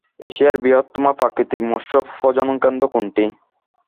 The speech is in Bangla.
এশিয়ার বৃহত্তম প্রাকৃতিক মৎস্য প্রজনন কেন্দ্র কোনটি?